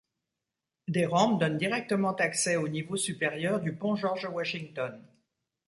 Des rampes donnent directement accès au niveau supérieur du Pont George Washington.